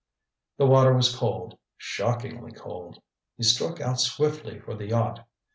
The water was cold, shockingly cold. He struck out swiftly for the yacht.